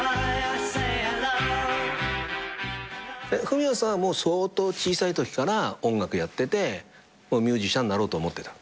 フミヤさんは相当小さいときから音楽やっててミュージシャンなろうと思ってた？